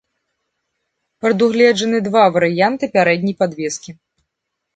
Прадугледжаны два варыянты пярэдняй падвескі.